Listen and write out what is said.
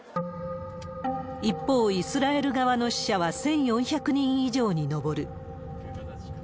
一方、イスラエル側の死者は１４００人以上に上る。